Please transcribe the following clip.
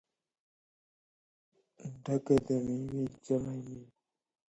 ډك د ميو جام مي